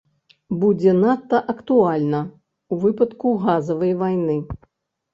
Будзе надта актуальна ў выпадку газавай вайны!